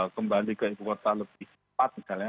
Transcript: kembali ke ibu kota lebih cepat misalnya